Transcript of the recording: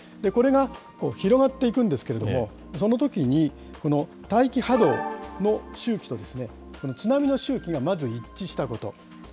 これが広がっていくんですけれども、そのときに、この大気波動の周期と、津波の周期がまず一致したこと。